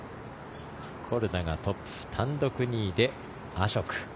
コルダがトップ単独２位でアショク。